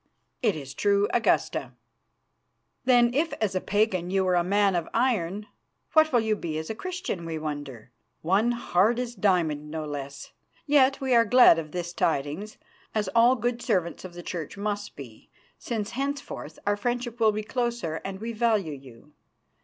"It is true, Augusta." "Then if as a Pagan you were a man of iron, what will you be as a Christian, we wonder? One hard as diamond, no less. Yet we are glad of this tidings, as all good servants of the Church must be, since henceforth our friendship will be closer and we value you.